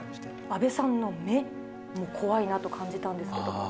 阿部さんの目も怖いなと感じたんですけど。